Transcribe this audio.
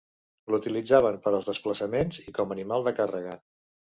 L'utilitzaven per als desplaçaments i com a animal de càrrega.